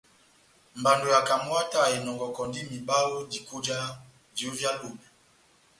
Mbando ya Camwater enɔngɔkɔndi mihiba ó diko já viyó vyá Lobe.